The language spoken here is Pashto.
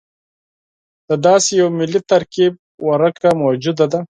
د داسې یوه ملي ترکیب ورکه موجوده ده.